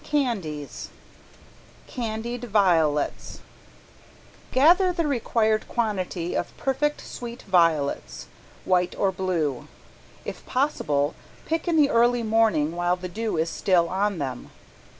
CANDIES ~CANDIED VIOLETS~ Gather the required quantity of perfect sweet violets, white or blue. If possible, pick in the early morning while the dew is still on them.